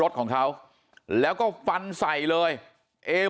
มันต้องการมาหาเรื่องมันจะมาแทงนะ